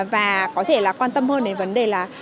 và có thể là quan tâm hơn đến vấn đề là